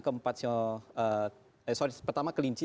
kempat ceo eh sorry pertama kelinci